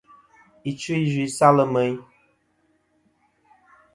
Ɨchfɨ̀-iyvɨ-i salɨ meyn.